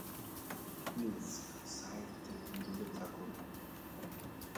Please, site থেকে দূরে থাকুন।